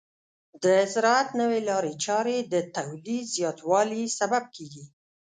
د زراعت نوې لارې چارې د تولید زیاتوالي سبب کیږي.